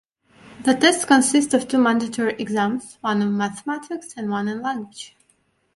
The test consists of two mandatory exams, one in Mathematics and one in Language.